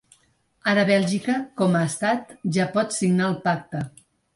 Ara Bèlgica, com a estat, ja pot signar el pacte.